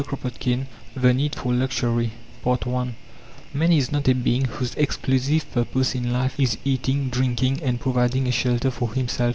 CHAPTER IX THE NEED FOR LUXURY I Man is not a being whose exclusive purpose in life is eating, drinking, and providing a shelter for himself.